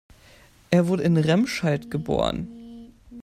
Er wurde in Remscheid geboren